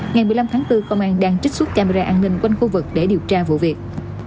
ngày một mươi năm tháng bốn công an đang trích xuất camera an ninh quanh khu vực để điều tra vụ việc